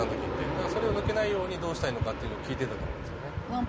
だからそれを抜けないようにどうしたらいいのかっていうのを聞いてたと思うんですよね。